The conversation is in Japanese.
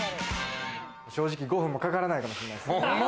正直５分もかからないかもしれないです。